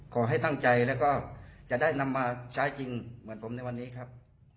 ขอให้ตั้งใจแล้วก็จะได้นำมาใช้จริงเหมือนผมในวันนี้ครับ